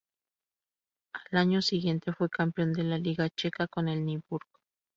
Al año siguiente fue campeón de la Liga Checa con el Nymburk.